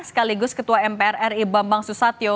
sekaligus ketua mpr ri bambang susatyo